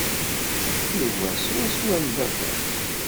Yuba swaswa am baba-s.